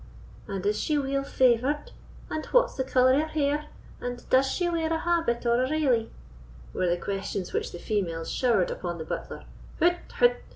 and is she weel favoured? and what's the colour o' her hair? and does she wear a habit or a railly?" were the questions which the females showered upon the butler.